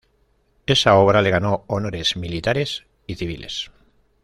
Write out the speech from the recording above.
Esa obra le ganó honores militares y civiles.